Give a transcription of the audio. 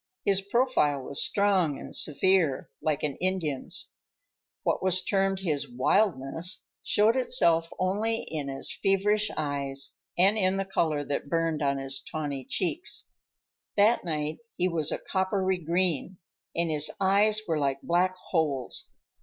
His profile was strong and severe, like an Indian's. What was termed his "wildness" showed itself only in his feverish eyes and in the color that burned on his tawny cheeks. That night he was a coppery green, and his eyes were like black holes.